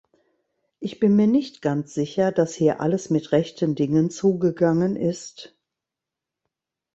Ich bin mir nicht ganz sicher, dass hier alles mit rechten Dingen zugegangen ist.